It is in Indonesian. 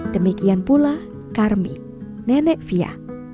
demikian pula karmi nenek fia